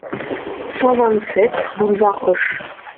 cent vingt-sept boulevard Hoche